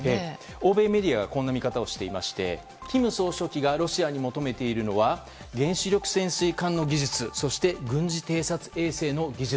欧米メディアはこんな見方をしていまして金総書記がロシアに求めているのは原子力潜水艦の技術そして、軍事偵察衛星の技術